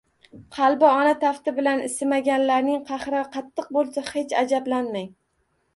Qalbi ona tafti bilan isimaganlarning qahri qattiq bo`lsa, hech ajablanmang